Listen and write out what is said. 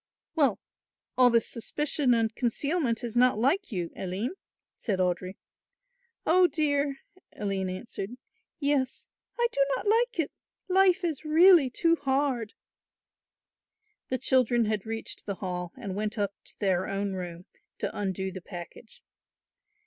"Well, all this suspicion and concealment is not like you, Aline," said Audry. "Oh, dear," Aline answered, "yes, I do not like it; life is really too hard." The children had reached the Hall and went up to their own room to undo the package.